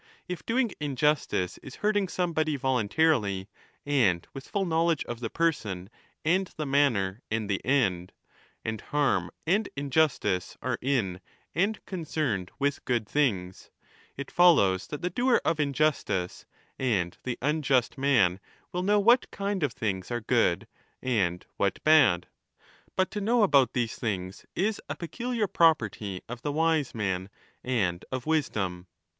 If doing injustice is hurting somebody voluntarily and with full 20 knowledge of the person and the manner and the end, and harm and injustice are in and concerned with good things, it follows that the doer of injustice and the unjust man will know what kind of things are good and what bad. But to know about these things is a peculiar property of the wise man and of wisdom.